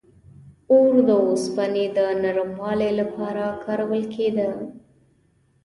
• اور د اوسپنې د نرمولو لپاره کارول کېده.